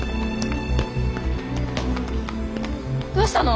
どうしたの？